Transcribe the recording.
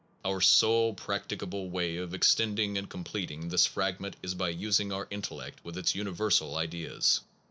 1 Our sole practicable way of extending and completing this fragment is by using our intellect with its universal ideas.